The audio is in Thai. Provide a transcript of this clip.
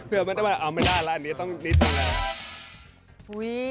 เพื่อไม่ได้ว่าเอาไม่ได้แล้วอันนี้ต้องนิดนึงแล้ว